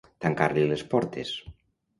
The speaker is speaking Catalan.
Tancar-li les portes.